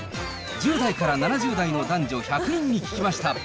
１０代から７０代の男女１００人に聞きました。